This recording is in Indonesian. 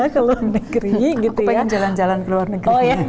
keliling dunia aku pengen jalan jalan ke luar negeri